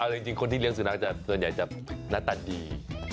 อาจจะคนที่เลี้ยงสุดนักส่วนใหญ่จะนัตตันดี